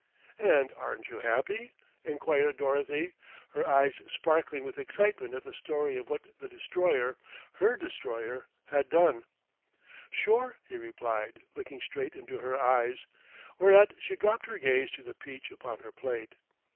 "And aren't you happy?" enquired Dorothy, her eyes sparkling with excitement at the story of what the Destroyer, her Destroyer, had done. "Sure," he replied, looking straight into her eyes, whereat she dropped her gaze to the peach upon her plate.